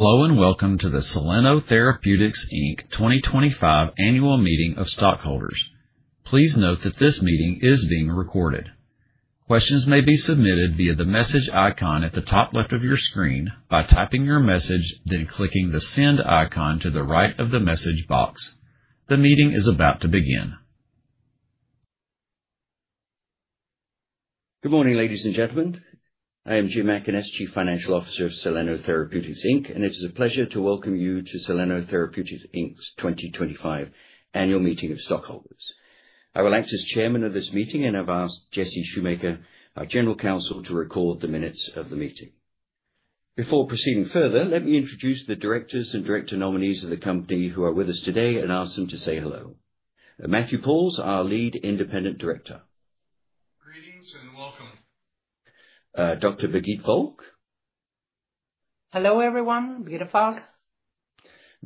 Hello and welcome to the Soleno Therapeutics Inc 2025 Annual Meeting of Stockholders. Please note that this meeting is being recorded. Questions may be submitted via the message icon at the top left of your screen by typing your message, then clicking the send icon to the right of the message box. The meeting is about to begin. Good morning, ladies and gentlemen. I am Jim Mackaness, Chief Financial Officer of Soleno Therapeutics Inc, and it is a pleasure to welcome you to Soleno Therapeutics Inc' 2025 Annual Meeting of stockholders. I will act as Chairman of this meeting and have asked Jessie Shoemaker, our General Counsel, to record the minutes of the meeting. Before proceeding further, let me introduce the directors and director nominees of the company who are with us today and ask them to say hello. Matthew Pauls, our Lead Independent Director. Greetings and welcome. Dr. Birgitte Volck. Hello everyone. Birgitte Volck.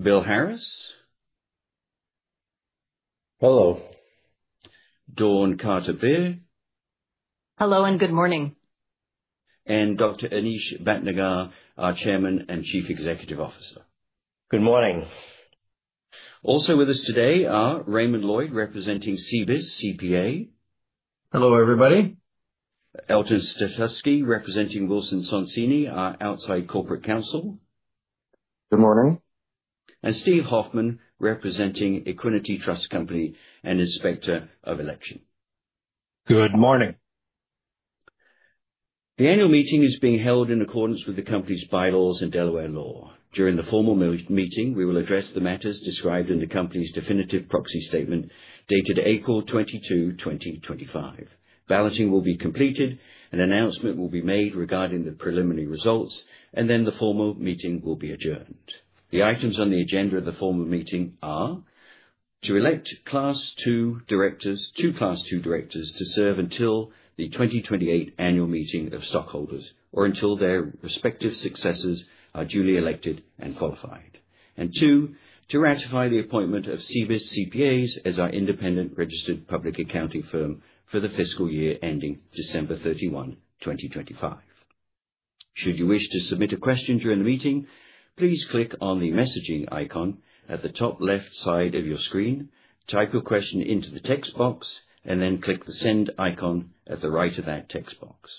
Bill Harris. Hello. Dawn Carter Bir. Hello and good morning. Dr. Anish Bhatnagar, our Chairman and Chief Executive Officer. Good morning. Also with us today are Raymond Lloyd, representing CBIS CPAs. Hello everybody. Elton Satusky, representing Wilson Sonsini, our outside corporate counsel. Good morning. Steve Hoffman, representing Equiniti Trust Company and Inspector of Election. Good morning. The annual meeting is being held in accordance with the company's bylaws and Delaware law. During the formal meeting, we will address the matters described in the company's definitive proxy statement dated April 22, 2025. Balloting will be completed, an announcement will be made regarding the preliminary results, and then the formal meeting will be adjourned. The items on the agenda of the formal meeting are to elect Class 2 directors, two Class 2 directors to serve until the 2028 Annual Meeting of Stockholders or until their respective successors are duly elected and qualified, and two, to ratify the appointment of CBIS CPAs as our independent registered public accounting firm for the fiscal year ending December 31, 2025. Should you wish to submit a question during the meeting, please click on the messaging icon at the top left side of your screen, type your question into the text box, and then click the send icon at the right of that text box.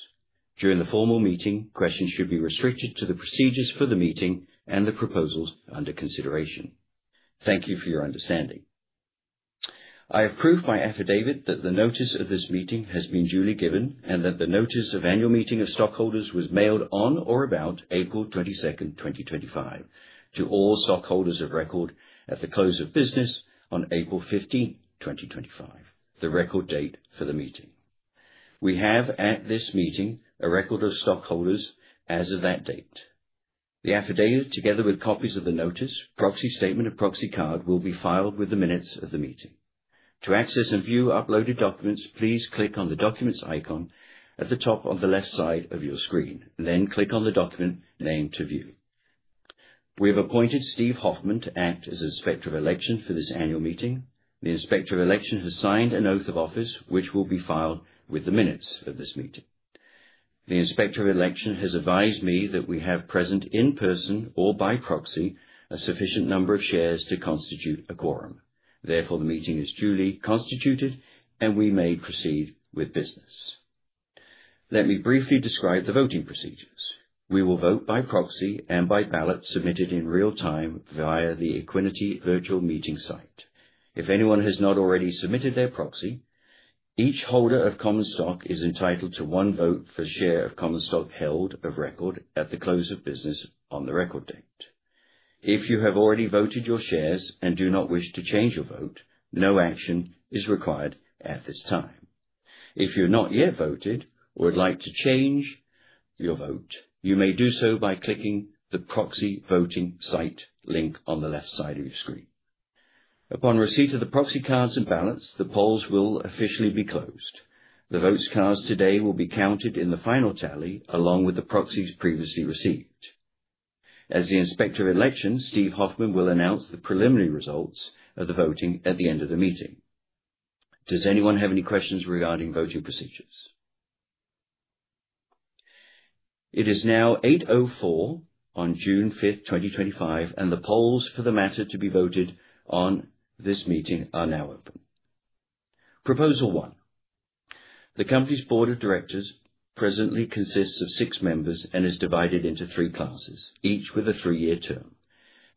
During the formal meeting, questions should be restricted to the procedures for the meeting and the proposals under consideration. Thank you for your understanding. I approve my affidavit that the notice of this meeting has been duly given and that the notice of Annual Meeting of Stockholders was mailed on or about April 22, 2025, to all stockholders of record at the close of business on April 15, 2025, the record date for the meeting. We have at this meeting a record of stockholders as of that date. The affidavit, together with copies of the notice, proxy statement, and proxy card will be filed with the minutes of the meeting. To access and view uploaded documents, please click on the documents icon at the top on the left side of your screen, then click on the document name to view. We have appointed Steve Hoffman to act as Inspector of Election for this annual meeting. The Inspector of Election has signed an oath of office, which will be filed with the minutes of this meeting. The Inspector of Election has advised me that we have present in person or by proxy a sufficient number of shares to constitute a quorum. Therefore, the meeting is duly constituted and we may proceed with business. Let me briefly describe the voting procedures. We will vote by proxy and by ballot submitted in real time via the Equiniti Virtual Meeting site. If anyone has not already submitted their proxy, each holder of common stock is entitled to one vote for each share of common stock held of record at the close of business on the record date. If you have already voted your shares and do not wish to change your vote, no action is required at this time. If you have not yet voted or would like to change your vote, you may do so by clicking the proxy voting site link on the left side of your screen. Upon receipt of the proxy cards and ballots, the polls will officially be closed. The votes cast today will be counted in the final tally along with the proxies previously received. As the Inspector of Election, Steve Hoffman will announce the preliminary results of the voting at the end of the meeting. Does anyone have any questions regarding voting procedures? It is now 8:04 A.M. on June 5th, 2025, and the polls for the matter to be voted on this meeting are now open. Proposal one. The company's Board of Directors presently consists of six members and is divided into three classes, each with a three-year term.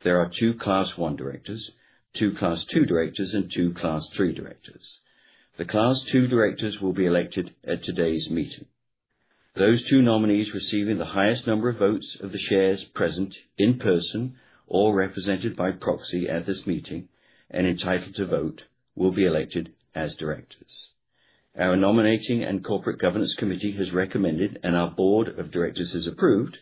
There are two Class 1 directors, two Class 2 directors, and two Class 3 directors. The Class 2 directors will be elected at today's meeting. Those two nominees receiving the highest number of votes of the shares present in person or represented by proxy at this meeting and entitled to vote will be elected as directors. Our Nominating and Corporate Governance Committee has recommended and our Board of Directors has approved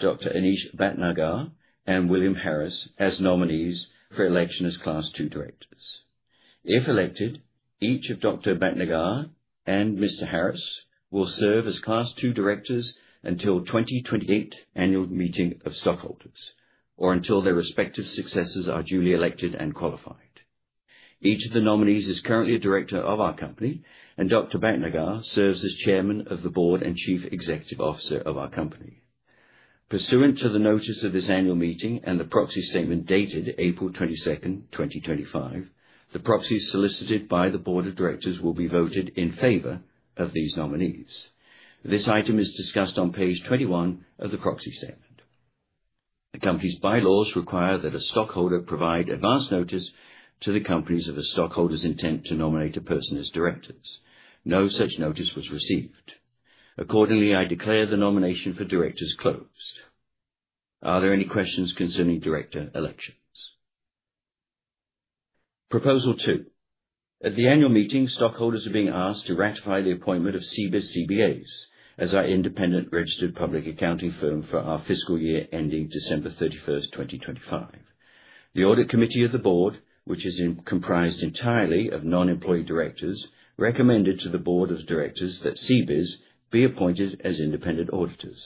Dr. Anish Bhatnagar and William Harris as nominees for election as Class 2 directors. If elected, each of Dr. Bhatnagar and Mr. Harris will serve as Class 2 directors until the 2028 Annual Meeting of stockholders or until their respective successors are duly elected and qualified. Each of the nominees is currently a director of our company, and Dr. Bhatnagar serves as Chairman of the Board and Chief Executive Officer of our company. Pursuant to the notice of this Annual Meeting and the proxy statement dated April 22, 2025, the proxies solicited by the Board of Directors will be voted in favor of these nominees. This item is discussed on page 21 of the proxy statement. The company's bylaws require that a stockholder provide advance notice to the company of a stockholder's intent to nominate a person as directors. No such notice was received. Accordingly, I declare the nomination for directors closed. Are there any questions concerning director elections? Proposal two. At the annual meeting, stockholders are being asked to ratify the appointment of CBIS CPAs as our independent registered public accounting firm for our fiscal year ending December 31, 2025. The audit committee of the board, which is comprised entirely of non-employee directors, recommended to the board of directors that CBIS CPAs be appointed as independent auditors.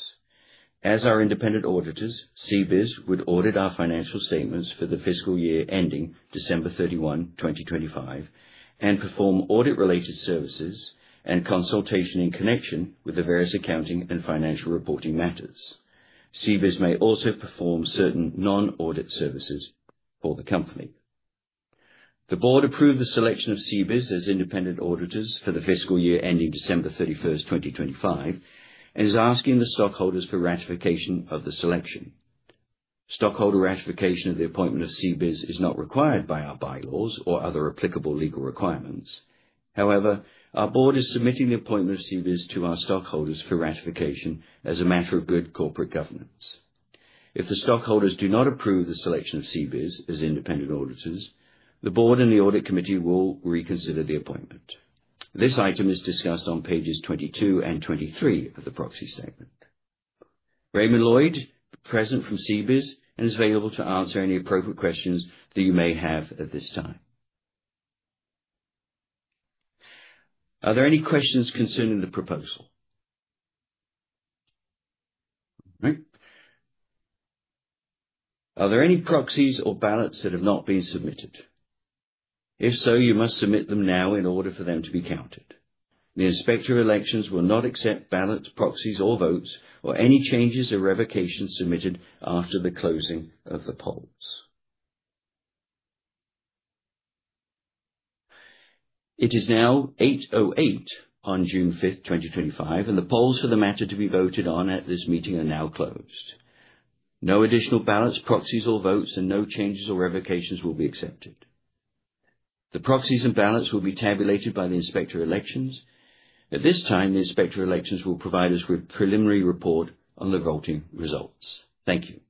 As our independent auditors, CBIS CPAs would audit our financial statements for the fiscal year ending December 31, 2025, and perform audit-related services and consultation in connection with the various accounting and financial reporting matters. CBIS CPAs may also perform certain non-audit services for the company. The board approved the selection of CBIS CPAs as independent auditors for the fiscal year ending December 31, 2025, and is asking the stockholders for ratification of the selection. Stockholder ratification of the appointment of CBIS CPAs is not required by our bylaws or other applicable legal requirements. However, our board is submitting the appointment of CBIS CPAs to our stockholders for ratification as a matter of good corporate governance. If the stockholders do not approve the selection of CBIS CPAs as independent auditors, the board and the audit committee will reconsider the appointment. This item is discussed on pages 22 and 23 of the proxy statement. Raymond Lloyd, present from CBIS CPAs, is available to answer any appropriate questions that you may have at this time. Are there any questions concerning the proposal? All right. Are there any proxies or ballots that have not been submitted? If so, you must submit them now in order for them to be counted. The Inspector of Election will not accept ballots, proxies, or votes, or any changes or revocations submitted after the closing of the polls. It is now 8:08 A.M. on June 5, 2025, and the polls for the matter to be voted on at this meeting are now closed. No additional ballots, proxies, or votes, and no changes or revocations will be accepted. The proxies and ballots will be tabulated by the Inspector of Elections. At this time, the Inspector of Elections will provide us with a preliminary report on the voting results. Thank you.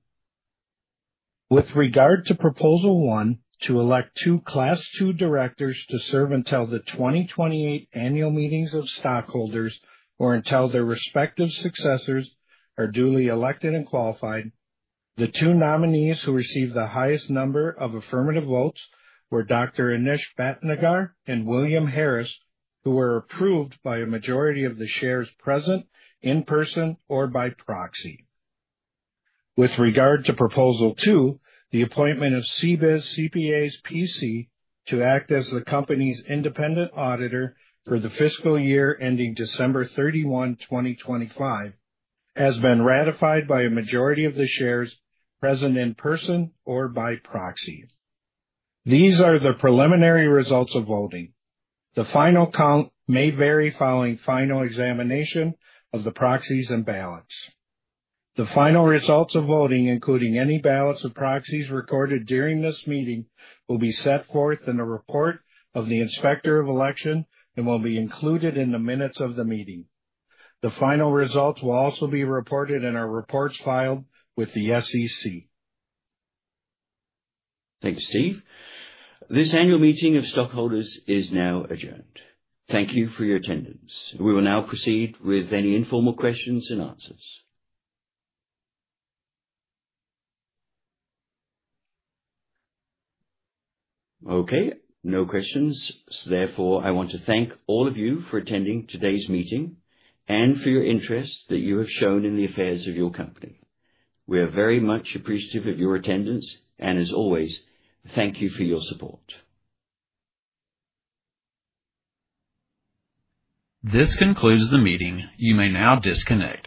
With regard to Proposal One, to elect two Class 2 directors to serve until the 2028 Annual Meeting of Stockholders or until their respective successors are duly elected and qualified, the two nominees who received the highest number of affirmative votes were Dr. Anish Bhatnagar and William Harris, who were approved by a majority of the shares present in person or by proxy. With regard to Proposal Two, the appointment of CBIS CPAs to act as the company's independent auditor for the fiscal year ending December 31, 2025, has been ratified by a majority of the shares present in person or by proxy. These are the preliminary results of voting. The final count may vary following final examination of the proxies and ballots. The final results of voting, including any ballots or proxies recorded during this meeting, will be set forth in a report of the Inspector of Election and will be included in the minutes of the meeting. The final results will also be reported in our reports filed with the SEC. Thank you, Steve. This annual meeting of stockholders is now adjourned. Thank you for your attendance. We will now proceed with any informal questions and answers. Okay. No questions. Therefore, I want to thank all of you for attending today's meeting and for your interest that you have shown in the affairs of your company. We are very much appreciative of your attendance, and as always, thank you for your support. This concludes the meeting. You may now disconnect.